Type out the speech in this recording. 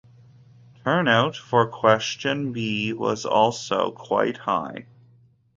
Turnout for question B was also quite high.